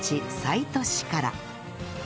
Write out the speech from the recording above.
西都市から